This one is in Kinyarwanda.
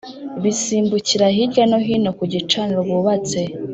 Basimbukira hirya no hino ku gicaniro bubatse